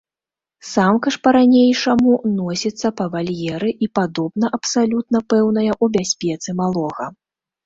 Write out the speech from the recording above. Самка ж па-ранейшаму носіцца па вальеры і, падобна, абсалютна пэўная ў бяспецы малога.